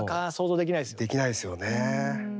できないですよね。